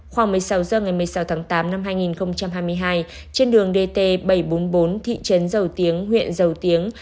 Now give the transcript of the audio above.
khoảng một mươi sáu h ngày một mươi sáu tháng tám năm hai nghìn hai mươi hai trên đường dt bảy trăm bốn mươi bốn thị trấn dầu tiếng huyện dầu tiếng